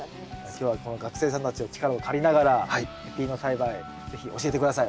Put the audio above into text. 今日はこの学生さんたちの力を借りながらペピーノ栽培是非教えて下さい。